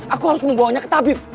aku harus membawanya ke tabib